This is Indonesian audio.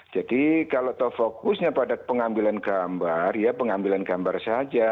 jadi kalau fokusnya pada pengambilan gambar ya pengambilan gambar saja